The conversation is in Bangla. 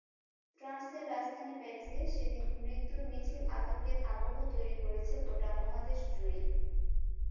ফ্রান্সের রাজধানী প্যারিসে সেদিন মৃত্যুর মিছিল আতঙ্কের আবহ তৈরি করেছে গোটা মহাদেশজুড়েই।